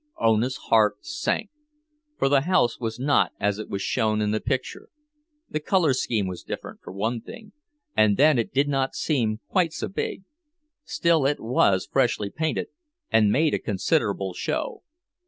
Ona's heart sank, for the house was not as it was shown in the picture; the color scheme was different, for one thing, and then it did not seem quite so big. Still, it was freshly painted, and made a considerable show.